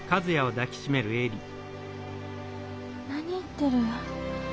何言ってる。